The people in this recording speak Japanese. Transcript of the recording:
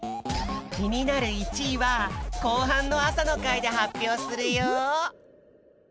きになる１位は後半の朝の会で発表するよ！